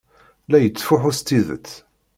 La yettfuḥu s tidet.